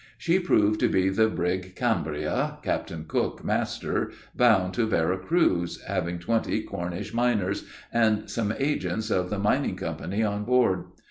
She proved to be the brig Cambria, Captain Cook, master, bound to Vera Cruz, having twenty Cornish miners, and some agents of the Mining Company on board.